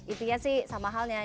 intinya sih sama halnya